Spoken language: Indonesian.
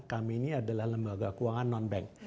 kami ini adalah lembaga keuangan non bank